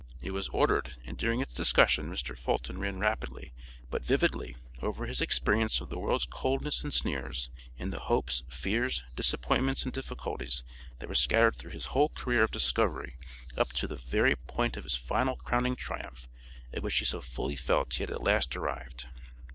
It was ordered, and during its discussion Mr. Fulton ran rapidly, but vividly, over his experience of the world's coldness and sneers, and the hopes, fears, disappointments and difficulties that were scattered through his whole career of discovery up to the very point of his final crowning triumph, at which he so fully felt he had at last arrived."